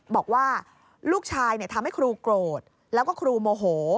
บอกว่าลูกชายทำให้ครูโกรธแล้วก็ครูโมโห